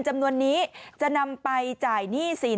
วันนี้จะนำไปจ่ายหนี้สิน